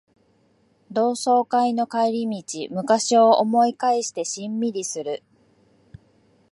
同窓会の帰り道、昔を思い返してしんみりする